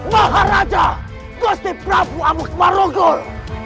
maha raja gusti prabu abu marugol